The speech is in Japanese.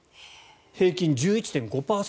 平均１１．５％